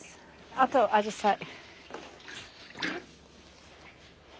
あとアジサイ。